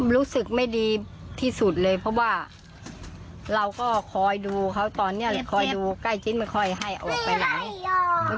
รู้สึกไม่ดีที่สุดเลยเพราะว่าเราก็คอยดูเขาตอนนี้คอยดูใกล้ชิ้นไม่ค่อยให้เอาออกไปไหน